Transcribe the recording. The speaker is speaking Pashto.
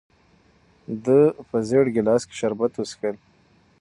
ده په زېړ ګیلاس کې شربت وڅښل.